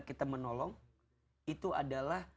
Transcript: kita menolong itu adalah